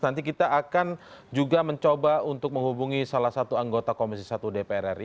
nanti kita akan juga mencoba untuk menghubungi salah satu anggota komisi satu dpr ri